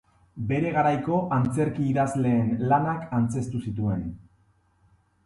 Bere garaiko antzerki-idazleen lanak antzeztu zituen.